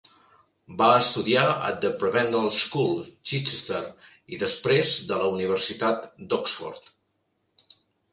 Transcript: Va estudiar a The Prebendal School, Chichester, i després de la Universitat d'Oxford.